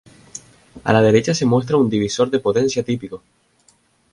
A la derecha se muestra un divisor de potencia típico.